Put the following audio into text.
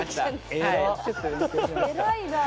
偉いなあ。